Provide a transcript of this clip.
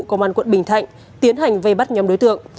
công an quận bình thạnh tiến hành vây bắt nhóm đối tượng